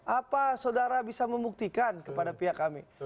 apa saudara bisa membuktikan kepada pihak kami